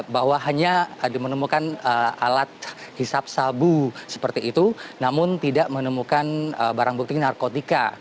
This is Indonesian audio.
bahwa hanya menemukan alat hisap sabu seperti itu namun tidak menemukan barang bukti narkotika